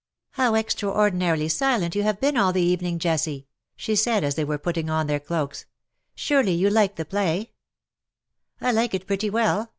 " How extraordinarily silent you have been all the evening, Jessie \" she said, as they were putting on their cloaks; "surely, you like the play V " I like it pretty well.